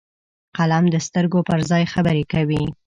قلم د سترګو پر ځای خبرې کوي